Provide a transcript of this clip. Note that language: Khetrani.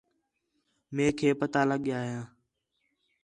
میک ہِے پتہ لڳ ڳِیا ہا